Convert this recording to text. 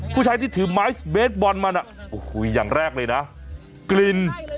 ผู้ชายที่ถือไม้เบสบอลมาน่ะโอ้โหอย่างแรกเลยนะกลิ่น